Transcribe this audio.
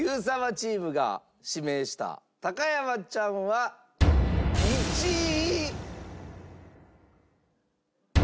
チームが指名した高山ちゃんは１位。